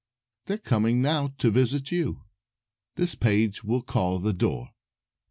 They're coming now to visit you. This page we'll call the door.